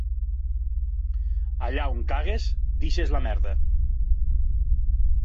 Allà on cagues deixes la merda.